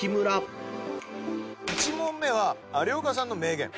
１問目は有岡さんの名言。